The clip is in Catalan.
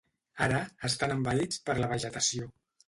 Ara, estan envaïts per la vegetació.